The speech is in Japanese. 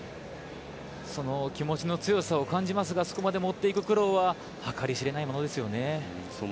その気持ちの強さを感じますがそこまで持っていく苦労ははかり知れませんね。